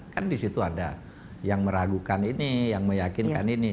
kan di situ ada yang meragukan ini yang meyakinkan ini